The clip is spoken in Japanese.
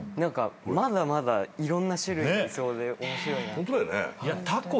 まだまだいろんな種類がいそうで面白いなって。